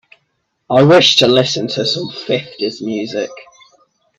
I wish to listen to some fifties music.